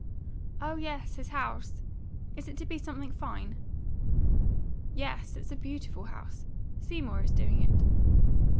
"Oh yes, his house! Is it to be something fine?" "Yes; it's a beautiful house. Seymour is doing it."